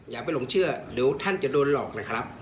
อย่าไปหลงเชื่อเดี๋ยวท่านจะโดนหลอกเลยครับ